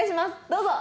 どうぞ！